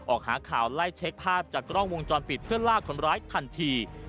ออกหาข่าวไล่เช็คภาพจากกล้องวงจรปิดเพื่อลากคนร้ายทันที